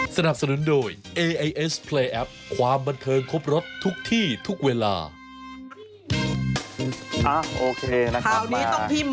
คราวนี้ต้องพี่ม้าอ้าวไม่ใช่ครับผมก่อนแล้วกันผมก็เลยเอ๊ะผม